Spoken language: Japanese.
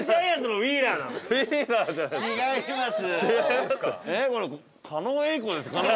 違います。